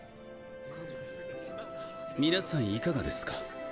皆さんいかがですか。